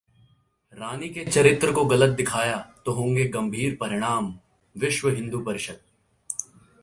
रानी के चरित्र को गलत दिखाया तो होंगे गंभीर परिणाम: विश्व हिंदू परिषद